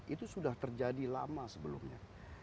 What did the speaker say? itu sudah terjadi lama sebelumnya